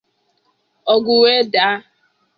ọgụ wee dàá.